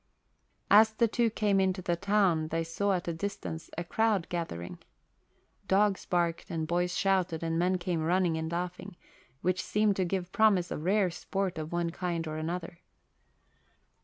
As the two came into the town they saw at a distance a crowd gathering. Dogs barked and boys shouted and men came running and laughing, which seemed to give promise of rare sport of one kind or another.